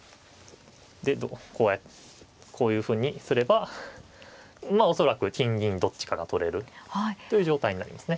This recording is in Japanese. でこういうふうにすれば恐らく金銀どっちかが取れるという状態になりますね。